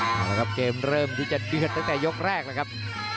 เอาละครับเกมเริ่มที่จะเดือดตั้งแต่ยกแรกแล้วครับ